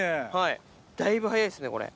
だいぶ早いですねこれ。